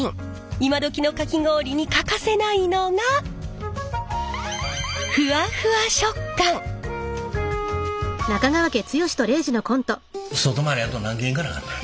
今どきのかき氷に欠かせないのが外回りあと何件行かなあかんねん？